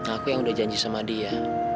aku yang udah janji sama dia